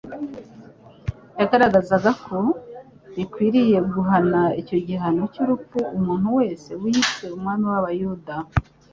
Yagaragazaga ko bikwiriye guhana icyo gihano cy'urupfu umuntu wese wiyise umwami w'Abayuda.